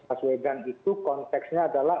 mas wedan itu konteksnya adalah